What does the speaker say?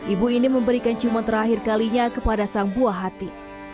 ibu ini memberikan ciuman terakhir kalinya kepada sang buah hati